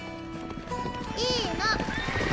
いいの。